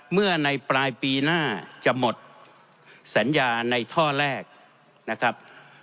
ในปลายปีหน้าจะหมดสัญญาในท่อแรกนะครับ